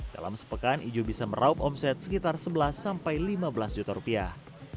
dalam sepekan iju bisa meraup omset sekitar sebelas sampai lima belas juta rupiah